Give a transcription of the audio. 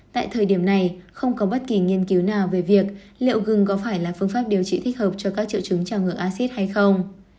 tại thời điểm này không có bất kỳ nghiên cứu nào về việc liệu gừng có phải là phương pháp điều trị thích hợp cho các triệu chứng trào ngược acid hay không